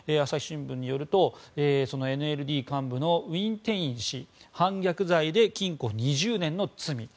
朝日新聞によるとそのＮＬＤ幹部のウィンテイン氏反逆罪で禁錮２０年の罪。